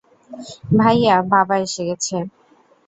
ভাইয়া, বাবা এসে গেছে।